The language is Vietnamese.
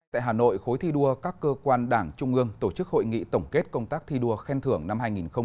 tại hà nội khối thi đua các cơ quan đảng trung ương tổ chức hội nghị tổng kết công tác thi đua khen thưởng năm hai nghìn một mươi chín